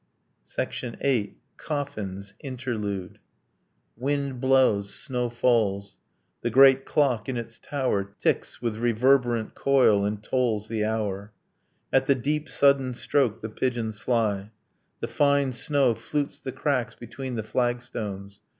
VIII. COFFINS: INTERLUDE Wind blows. Snow falls. The great clock in its tower Ticks with reverberant coil and tolls the hour: At the deep sudden stroke the pigeons fly ... The fine snow flutes the cracks between the flagstones.